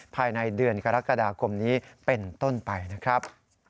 ภายในเดือนกรกฎาคมนี้เป็นต้นไปนะครับ